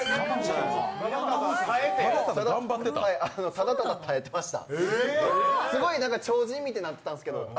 ただただ耐えてました。